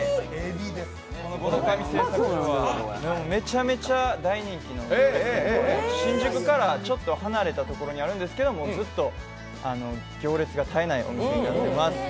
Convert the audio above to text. この五ノ神製作所はめちゃめちゃ大人気なんですけど新宿からちょっと離れたところにあるんですけど、ずっと行列が絶えないお店になっています。